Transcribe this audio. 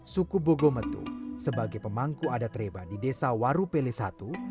suku bogometu sebagai pemangku adat reba di desa waru peli satu